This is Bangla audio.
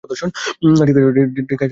ঠিক আছে, আপনার বই ছাপা হোক।